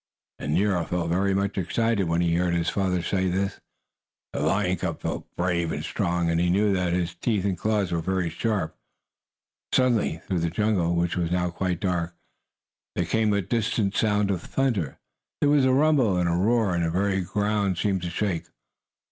And Nero felt very much excited when he heard his father say this. The lion cub felt brave and strong, and he knew that his teeth and claws were very sharp. Suddenly, through the jungle, which was now quite dark, there came a distant sound as if of thunder. There was a rumble and a roar, and the very ground seemed to shake.